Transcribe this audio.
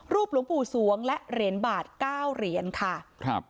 หลวงปู่สวงและเหรียญบาทเก้าเหรียญค่ะครับ